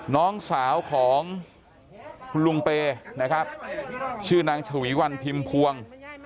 น้องสาวของคุณลุงเปย์นะครับชื่อนางฉวีวันพิมพวง